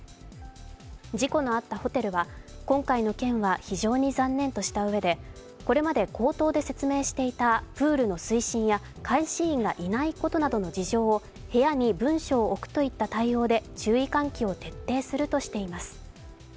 事故のあったホテルは、今回の件は非常に残念としたうえでこれまで口頭で説明していたプールの水深や監視員がいないことなどの事情を部屋に文書を置くといった対応で注意喚起を徹底するとしています。